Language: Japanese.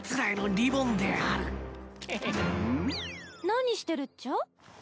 何してるっちゃ？